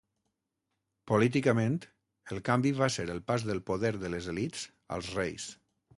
Políticament, el canvi va ser el pas del poder de les elits als reis.